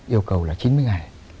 yêu cầu là chín mươi ngày